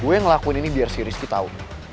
gue yang ngelakuin ini biar si rizky tahu